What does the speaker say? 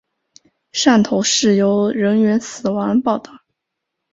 汕头市有人员死亡报导。